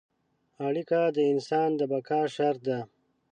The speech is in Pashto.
اړیکه د انسان د بقا شرط ده.